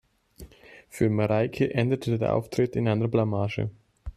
Für Mareike endete der Auftritt in einer Blamage.